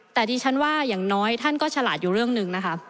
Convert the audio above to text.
แต่ดิฉันว่าอย่างน้อยท่านก็ฉลาดอยู่เรื่องหนึ่งนะคะ